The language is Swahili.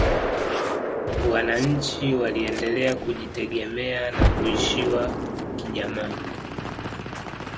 wanachi waliendelea kujitegemea na kuishiwa kijamaa